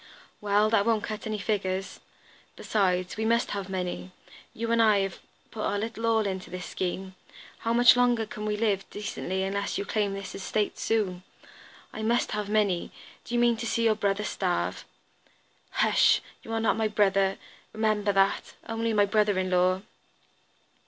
"Well, that won't cut any figure. Besides, we must have money. You and I have put our little all into this scheme. How much longer can we live decently unless you claim this estate soon? I must have money! Do you mean to see your brother starve?" "Hush! You are not my brother, remember that; only my brother in law."